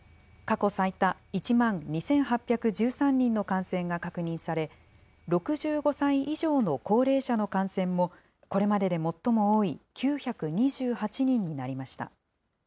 過去最多１万２８１３人の感染が確認され、６５歳以上の高齢者の感染も、これまでで最も多い９２８人になりました。